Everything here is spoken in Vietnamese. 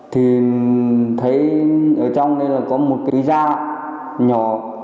thì thấy ở trong đây là có một cái da nhỏ